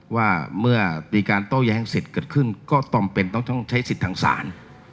ว่าเมื่อมีการโต้แย้งเสร็จเกิดขึ้นก็จำเป็นต้องใช้สิทธิ์ทางศาล